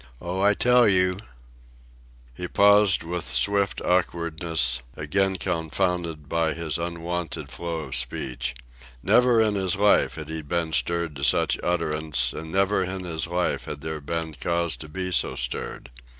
Oh, I tell you " He paused with swift awkwardness, again confounded by his unwonted flow of speech. Never in his life had he been stirred to such utterance, and never in his life had there been cause to be so stirred.